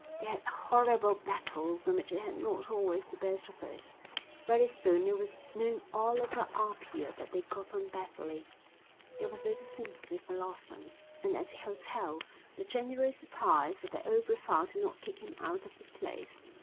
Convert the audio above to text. They had horrible battles in which he had not always the best of it. Very soon it was known all over Apia that they got on badly. There was little sympathy for Lawson, and at the hotel the general surprise was that old Brevald did not kick him out of the place.